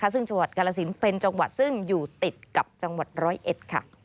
ซึ่งจังหวัดกาลสินเป็นจังหวัดซึ่งอยู่ติดกับจังหวัดร้อยเอ็ด